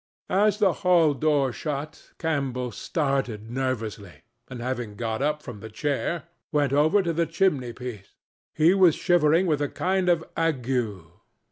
As the hall door shut, Campbell started nervously, and having got up from the chair, went over to the chimney piece. He was shivering with a kind of ague.